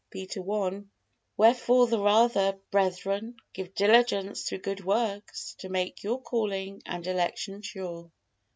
Peter i: "Wherefore the rather, brethren, give diligence through good works to make your calling and election sure."